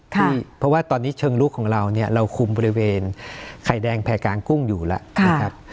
เพราะว่าตอนนี้เชิงลุกของเราเนี่ยเราคุมบริเวณไข่แดงแพรกลางกุ้งอยู่แล้วนะครับ